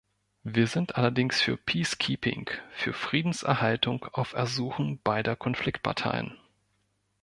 Wir sind allerdings für "peace keeping", für Friedenserhaltung auf Ersuchen beider Konfliktparteien.